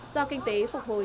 do kinh tế phục vụ